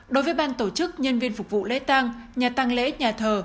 đối với ban tổ chức nhân viên phục vụ lễ tăng nhà tăng lễ nhà thờ